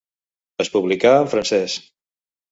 Es publicà en francès.